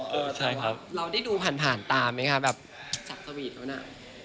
อ๋อเหรอแต่ว่าเราได้ดูผ่านตามไหมครับแบบจับสวีทแล้วนะ